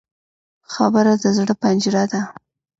خبره د زړه پنجره ده